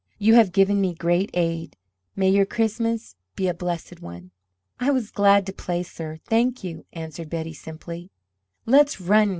You have given me great aid. May your Christmas be a blessed one." "I was glad to play, sir. Thank you!" answered Betty, simply. "Let's run!"